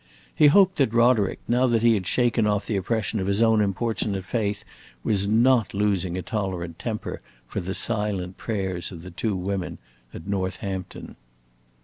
He hoped that Roderick, now that he had shaken off the oppression of his own importunate faith, was not losing a tolerant temper for the silent prayers of the two women at Northampton.